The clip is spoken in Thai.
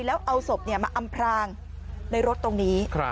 แล้วเอาศพมาอำพรางในรถตรงนี้